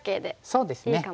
そうですね。